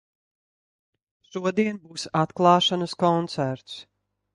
Šodien būs atklāšanas koncerts.